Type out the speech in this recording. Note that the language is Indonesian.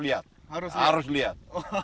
itu harus dilihat